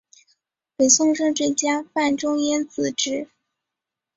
北宋政治家范仲淹子侄。